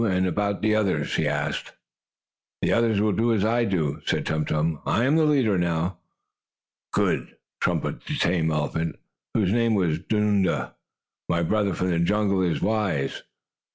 And about the others?" he asked. "The others will do as I do," said Tum Tum. "I am the leader now." "Good!" trumpeted the tame elephant, whose name was Dunda. "My brother from the jungle is wise."